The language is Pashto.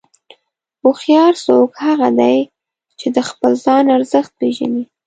هوښیار څوک دی چې د خپل ځان ارزښت پېژني.